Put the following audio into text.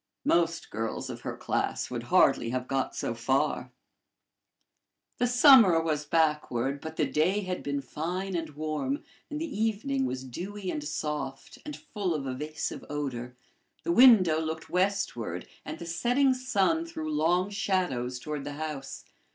Most girls of her class would hardly have got so far. The summer was backward, but the day had been fine and warm, and the evening was dewy and soft, and full of evasive odor. The window looked westward, and the setting sun threw long shadows toward the house.